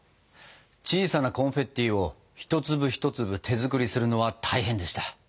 小さなコンフェッティを１粒１粒手作りするのは大変でした！